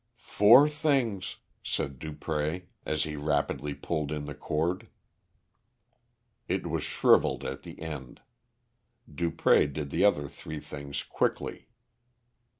"Four things," said Dupré, as he rapidly pulled in the cord. It was shrivelled at the end. Dupré did the other three things quickly.